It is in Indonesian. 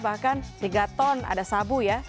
bahkan tiga ton ada sabu ya